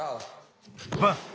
バン。